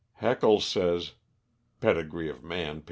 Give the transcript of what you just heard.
Haeckel says ("Pedigree of Man," p.